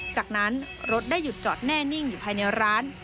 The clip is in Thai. จากนั้นรถได้หยุดจอดแน่นิ่งอยู่ภายในร้าน